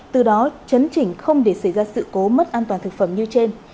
từ đó chấn chỉnh không để xảy ra sự cố mất an toàn thực phẩm như trên